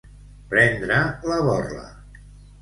Prendre la borla.